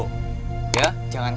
ya jangan kemana mana